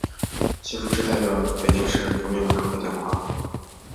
谢富治代表北京市革命委员会讲话。